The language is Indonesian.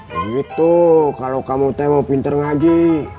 begitu kalau kamu tewa pintar ngaji